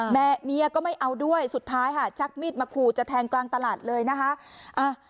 เมียเมียก็ไม่เอาด้วยสุดท้ายค่ะชักมีดมาขู่จะแทงกลางตลาดเลยนะคะ